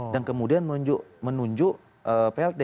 dan kemudian menunjuk plt